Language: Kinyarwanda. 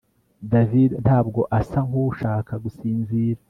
David ntabwo asa nkushaka gusinzira